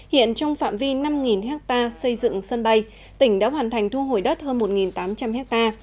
hiện trong phạm vi năm ha xây dựng sân bay tỉnh đã hoàn thành thu hồi đất hơn một tám trăm linh ha